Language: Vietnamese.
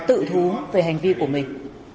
tự thú về hành vi của mình